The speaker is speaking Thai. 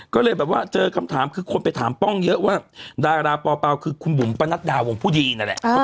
ก็เลยแบบว่าเจอคำถามคือคนไปถามป้องเยอะว่าดาราปอเปล่าคือคุณบุ๋มปะนัดดาวงผู้ดีนั่นแหละ